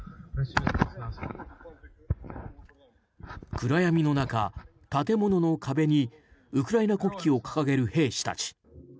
暗闇の中、建物の中にウクライナ国旗を掲げる兵士たち。